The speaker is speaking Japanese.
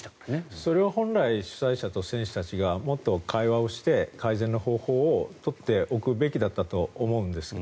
それは本来主催者と選手が会話して改善の方法を取っておくべきだったと思うんです。